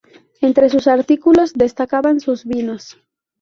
Entre sus artículos destacaban sus vinos.